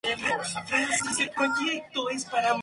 El delantero pertenece al club Universitario de Córdoba.